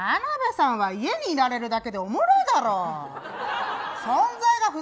田辺さんは家にいられるだけでおもろいだろう！